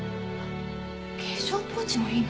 化粧ポーチもいいな。